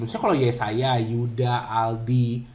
misalnya kalau yesaya yuda aldi